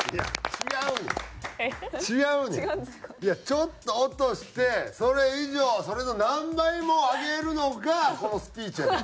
ちょっと落としてそれ以上それの何倍も上げるのがこのスピーチやねん。